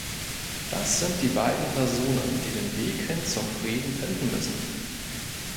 Das sind die beiden Personen, die den Weg hin zum Frieden finden müssen.